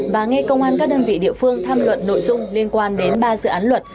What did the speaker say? và nghe công an các đơn vị địa phương tham luận nội dung liên quan đến ba dự án luật